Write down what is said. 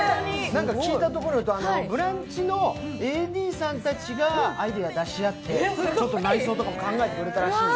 聞いたところ、「ブランチ」のＡＤさんたちがアイデア出し合ってちょっと内装とかも考えてくれたらしい。